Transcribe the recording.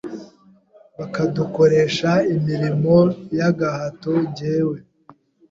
bakadukoresh imirimo y’gahato njyewe